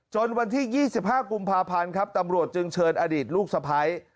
จนวันที่๒๕กุมภาพันธ์ตำรวจเชิญอดีตลูกสะพ้าย